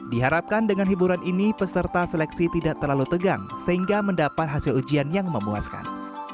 diharapkan dengan hiburan ini peserta seleksi tidak terlalu tegang sehingga mendapat hasil ujian yang memuaskan